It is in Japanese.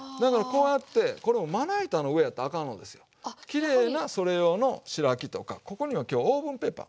きれいなそれ用の白木とかここには今日オーブンペーパー。